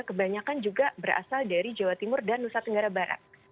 kebanyakan juga berasal dari jawa timur dan nusa tenggara barat